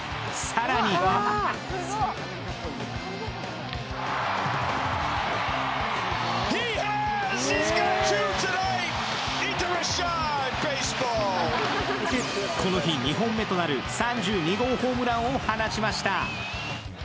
更にこの日２本目となる３２号ホームランを放ちました。